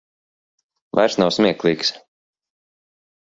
Vairs nav smieklīgs.